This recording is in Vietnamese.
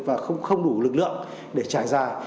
và không đủ lực lượng để trải dài